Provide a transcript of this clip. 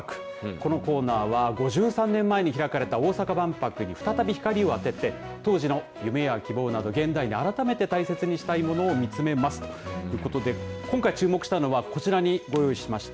このコーナーは５３年前に開かれた大阪万博に再び光を当てて当時の夢や希望など現代に改めて大切にしたいものを見つめますということで、今回注目したのはこちらにご用意しました。